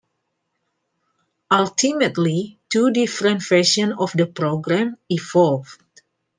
Ultimately, two different versions of the program evolved.